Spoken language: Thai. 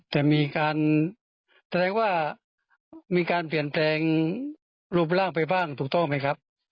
แต่มีการแสดงว่ามีการเปลี่ยนแปลงรูปร่างไปบ้างถูกต้องไหมครับ